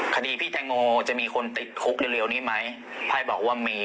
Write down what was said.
ภายในพี่แทงโงจะมีคนติดคุกเรียวนี้อ่ะไพ่ว่ามี